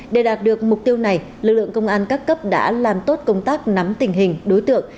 để đạt được mục tiêu này lực lượng công an các cấp đã làm tốt công tác nắm tình hình đối tượng